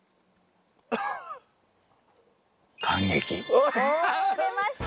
お出ました！